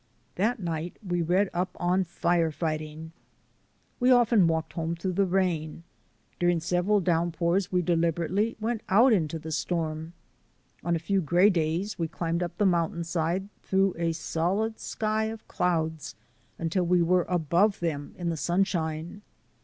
That night we read up on fire fighting. We often walked home through the rain; during several downpours we deliberately went out into the storm. On a few gray days we climbed up the mountainside through a solid sky of clouds until we were above them in the sunshine.